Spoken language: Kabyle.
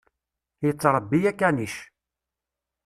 Yettṛebbi akanic.